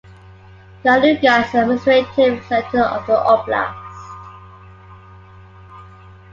Kaluga is the administrative center of the oblast.